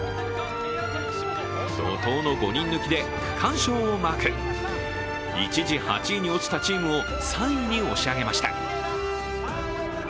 怒とうの５人抜きで区間賞をマーク一時８位に落ちたチームを３位に押し上げました。